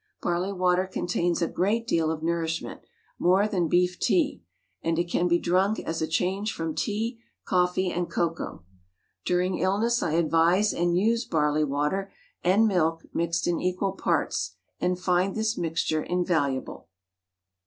Barley water contains a great deal of nourishment, more than beef tea, and it can be drunk as a change from tea, coffee, and cocoa. During illness I advise and use barley water and milk, mixed in equal parts, and find this mixture invaluable.